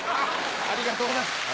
ありがとうございます。